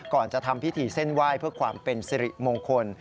ก่อนจะทำพิธีเส้นไหว้เพื่อความเป็นสิริมงคล